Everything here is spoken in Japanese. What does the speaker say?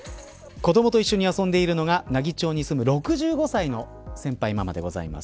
子どもと一緒に遊んでいるのが奈義町に住む６５歳の先輩ママです。